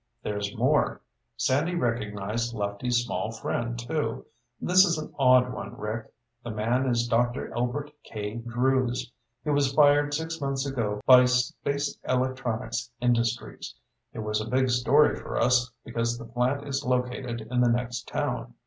"There's more. Sandy recognized Lefty's small friend too. This is an odd one, Rick. The man is Dr. Elbert K. Drews. He was fired six months ago by Space Electronics Industries. It was a big story for us, because the plant is located in the next town.